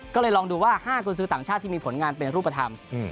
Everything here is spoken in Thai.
ก็เลยลองดูว่า๕กุญสือต่างชาติที่มีผลงานเป็นรูปธรรม